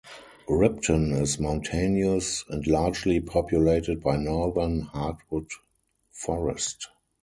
Ripton is mountainous and largely populated by northern hardwood forest.